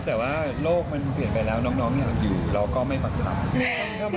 แต่ว่าโลกมันเปลี่ยนไปแล้วน้องอยากอยู่เราก็ไม่บังคับ